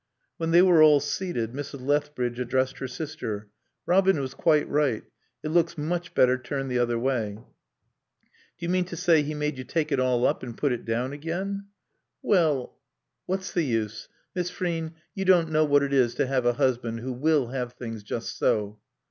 When they were all seated Mrs. Lethbridge addressed her sister. "Robin was quite right. It looks much better turned the other way." "Do you mean to say he made you take it all up and put it down again? Well " "What's the use?... Miss Frean, you don't know what it is to have a husband who will have things just so."